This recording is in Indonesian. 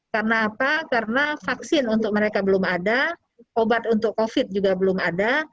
karena apa karena vaksin untuk mereka belum ada obat untuk covid juga belum ada